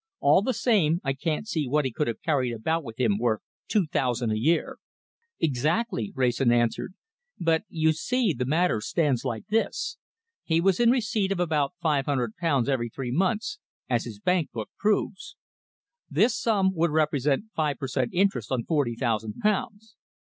"All the same, I can't see what he could have carried about with him worth two thousand a year." "Exactly," Wrayson answered, "but you see the matter stands like this. He was in receipt of about £500 every three months, as his bank book proves. This sum would represent five per cent interest on forty thousand pounds.